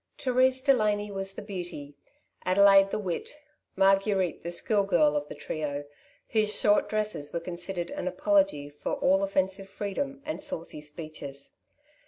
Therese Delany was the beauty, Adelaide the wit. Marguerite the school girl of the trio, whose short dresses were considered an apology for all offensive freedom and saucy speeches.